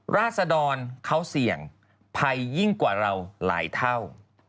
ราศดรเขาเสี่ยงภัยยิ่งกว่าเราหลายเท่า